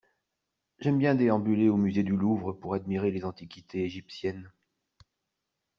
J’aime bien déambuler au musée du Louvre pour admirer les antiquités égyptiennes.